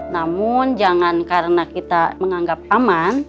namun jangan karena kita menganggap aman